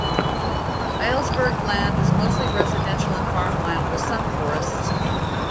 Elysburg's land is mostly residential and farmland, with some forest.